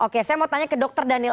oke saya mau tanya ke dokter daniel